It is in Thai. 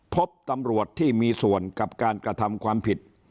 พบตำรวจที่มีส่วนกับการกระทำความผิด